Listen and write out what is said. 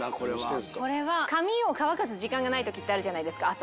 これは。髪を乾かす時間がない時ってあるじゃないですか朝。